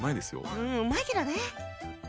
うんうまいけどね。